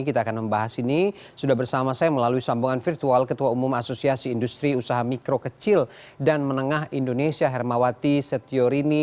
kita akan membahas ini sudah bersama saya melalui sambungan virtual ketua umum asosiasi industri usaha mikro kecil dan menengah indonesia hermawati setiorini